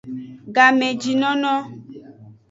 Gamejinono.